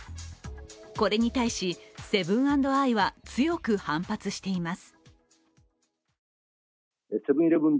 これに対し、セブン＆アイは強く反発しています。